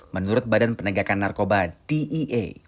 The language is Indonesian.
menurut badan penegakan narkoba dea